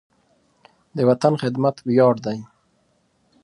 د وطن خدمت ویاړ دی.